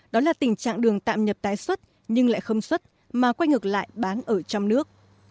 đó là tình trạng đường tạm nhập tái xuất nhưng lại không xuất mà quay ngược lại bán ở trong nước